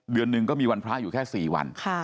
เดือนหนึ่งก็มีวันพระอยู่แค่๔วัน